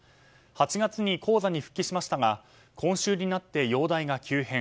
８月に高座に復帰しましたが今週になって容体が急変。